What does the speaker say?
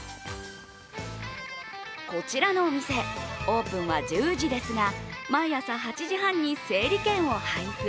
こちらのお店、オープンは１０時ですが毎朝８時半に整理券を配布。